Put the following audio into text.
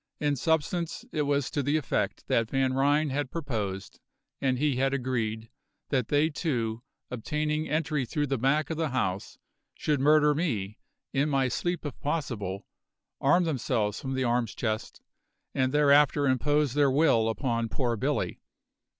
In substance it was to the effect that Van Ryn had proposed, and he had agreed, that they two, obtaining entry through the back of the house, should murder me in my sleep if possible arm themselves from the arms chest, and thereafter impose their will upon poor Billy.